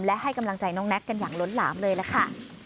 และให้กำลังใจน้องแน็กกันอย่างล้นหลามเลยล่ะค่ะ